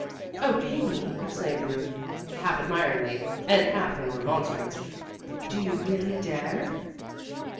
"Oh, Amy," exclaimed Ruth, half admiringly, and half in remonstrance, "do you really dare?"